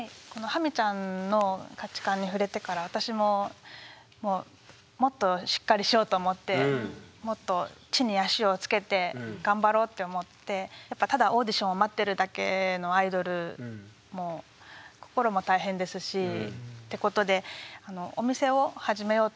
ハミちゃんの価値観に触れてから私ももっとしっかりしようと思ってもっと地に足をつけてがんばろうって思ってやっぱただオーディションを待ってるだけのアイドルも心も大変ですしってことでえ